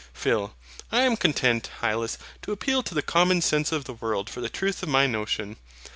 PHIL. I am content, Hylas, to appeal to the common sense of the world for the truth of my notion.